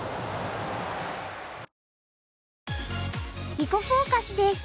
「囲碁フォーカス」です。